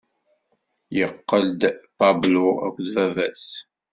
Yeqqel-d Pablo akked baba-s.